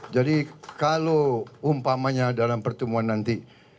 jadi kalau umpamanya dalam pertemuan nanti